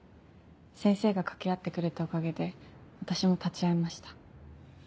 先生が掛け合ってくれたおかげで私も立ち会えました。